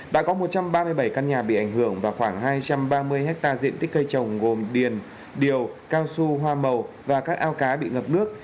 đã có một trăm ba mươi bảy căn nhà bị ảnh hưởng và khoảng hai trăm ba mươi ha diện tích cây trồng gồm điền điều cao su hoa màu và các ao cá bị ngập nước